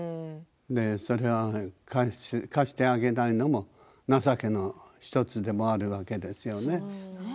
それは貸してあげないのも情けの１つであるわけですよね。